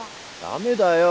ダメだよ。